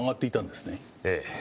ええ。